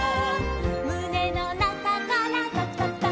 「むねのなかからとくとくとく」